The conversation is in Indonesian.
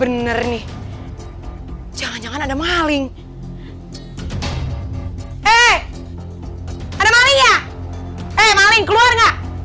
eh ada maling ya eh maling keluar gak